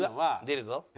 出るぞ。